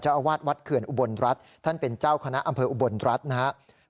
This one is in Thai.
อาวาสวัดเขื่อนอุบลรัฐท่านเป็นเจ้าคณะอำเภออุบลรัฐนะครับ